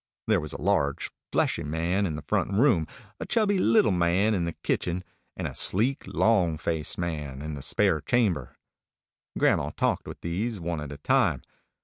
There was a large fleshy man in the front room, a chubby little man in the kitchen, and a sleek, long faced man in the spare chamber. Grandma talked with these, one at a time.